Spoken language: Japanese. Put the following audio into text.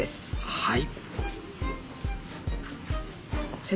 はい。